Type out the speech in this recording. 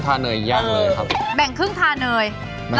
ขาดเลยไหมฮะ